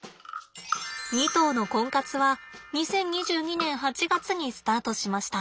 ２頭の婚活は２０２２年８月にスタートしました。